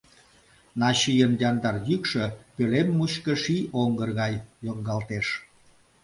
Начийын яндар йӱкшӧ пӧлем мучко ший оҥгыр гай йоҥгалтеш.